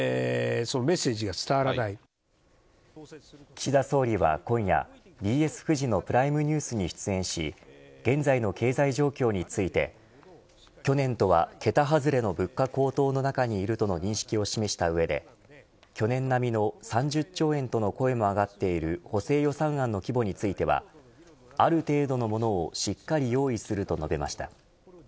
岸田総理は今夜ＢＳフジのプライムニュースに出演し現在の経済状況について去年とは桁外れの物価高騰の中にいるとの認識を示した上で去年並みの３０兆円との声も上がっている補正予算案の規模についてはある程度のものをしっかり用意すると述べました。